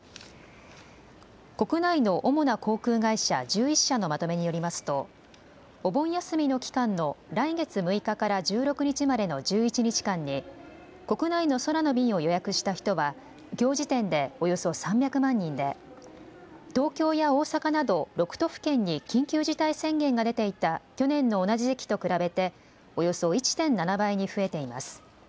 国内の主な航空会社１１社のまとめによりますとお盆休みの期間の来月６日から１６日までの１１日間に国内の空の便を予約した人はきょう時点でおよそ３００万人で東京や大阪など６都府県に緊急事態宣言が出ていた去年の同じ時期と比べておよそ１．７倍に増えています。